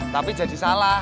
tapi jadi salah